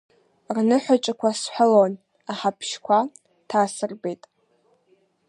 Рныҳәаҿақәа сҳәалон, аҳаԥшьақәа ҭасырбеит.